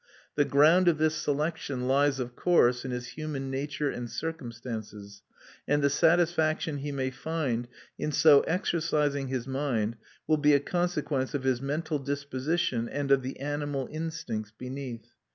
The ground of this selection lies, of course, in his human nature and circumstances; and the satisfaction he may find in so exercising his mind will be a consequence of his mental disposition and of the animal instincts beneath.